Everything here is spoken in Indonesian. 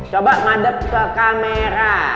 coba madep ke kamera